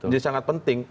jadi sangat penting